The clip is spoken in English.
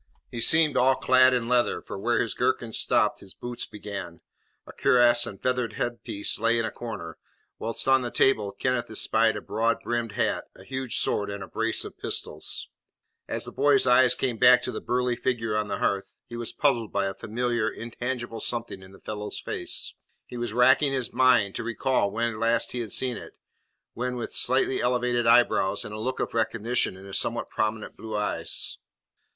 He seemed all clad in leather, for where his jerkin stopped his boots began. A cuirass and feathered headpiece lay in a corner, whilst on the table Kenneth espied a broad brimmed hat, a huge sword, and a brace of pistols. As the boy's eyes came back to the burly figure on the hearth, he was puzzled by a familiar, intangible something in the fellow's face. He was racking his mind to recall where last he had seen it, when with slightly elevated eyebrows and a look of recognition in his somewhat prominent blue eyes.